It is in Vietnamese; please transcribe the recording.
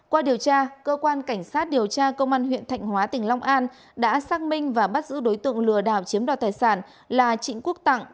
qua điều tra cơ quan cảnh sát điều tra công an huyện thạnh hóa tỉnh long an đã xác minh và bắt giữ đối tượng lừa đảo chiếm đoạt tài sản là trịnh quốc tặng